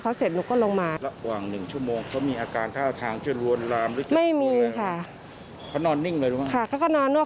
เขาก็บอกนี่ค่ะมอเตอร์ไซค์เรียกเขาก็บอก